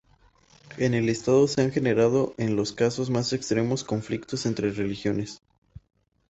En el estado se han generado en los casos más extremos, conflictos entre religiones.